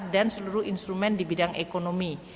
dan seluruh instrumen di bidang ekonomi